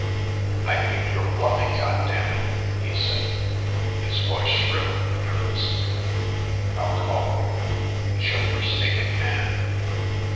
"I think you're bluffing, goddamn it," he said, his voice shrill and nervous. "I'll call you. Show your stinkin' hand."